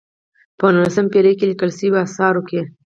په نولسمه پېړۍ کې لیکل شویو آثارو کې.